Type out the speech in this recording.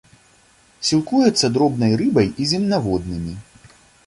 Сілкуецца дробнай рыбай і земнаводнымі.